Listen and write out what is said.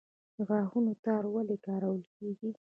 د غاښونو تار ولې کارول کیږي؟